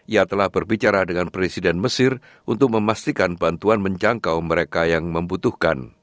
ia telah berbicara dengan presiden mesir untuk memastikan bantuan menjangkau mereka yang membutuhkan